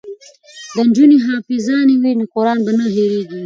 که نجونې حافظانې وي نو قران به نه هیریږي.